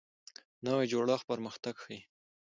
نوی جوړښت پرمختګ ښیي